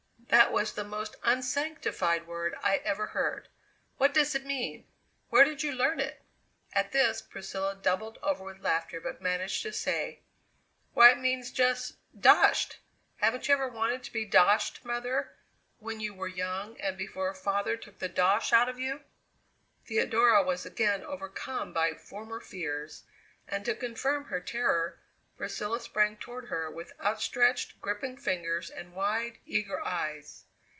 That was the most unsanctified word I ever heard. What does it mean? Where did you learn it?" At this Priscilla doubled over with laughter but managed to say: "Why, it means just doshed! Haven't you ever wanted to be doshed, mother, when you were young, and before father took the dosh out of you?" Theodora was again overcome by former fears, and to confirm her terror Priscilla sprang toward her with outstretched, gripping fingers and wide, eager eyes.